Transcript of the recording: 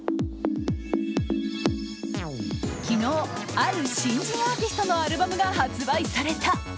昨日、ある新人アーティストのアルバムが発売された。